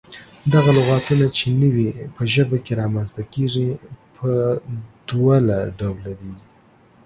دغه لغتونه چې نوي په ژبه کې رامنځته کيږي، پۀ دوله ډوله دي: